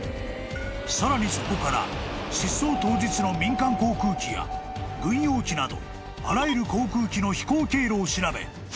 ［さらにそこから失踪当日の民間航空機や軍用機などあらゆる航空機の飛行経路を調べ